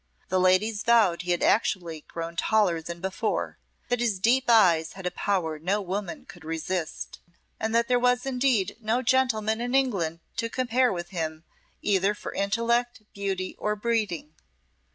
The ladies vowed he had actually grown taller than before, that his deep eyes had a power no woman could resist, and that there was indeed no gentleman in England to compare with him either for intellect, beauty, or breeding.